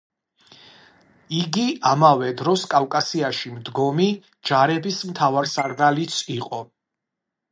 იგი ამავე დროს კავკასიაში მდგომი ჯარების მთავარსარდალიც იყო.